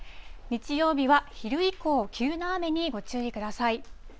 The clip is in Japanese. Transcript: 日曜日は昼以降、急な雨にご注意ください。